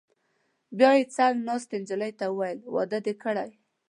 بیا یې څنګ ناستې نجلۍ ته وویل: واده دې کړی؟